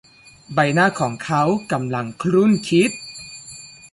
ใบหน้าของเขากำลังครุ่นคิด